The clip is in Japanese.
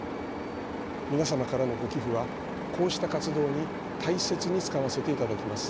皆様からのご寄付はこうした活動に大切に使わせて頂きます。